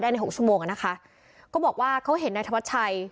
ในหกชั่วโมงอ่ะนะคะก็บอกว่าเขาเห็นนายธวัชชัย